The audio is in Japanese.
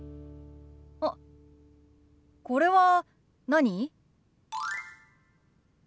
あっこれは何？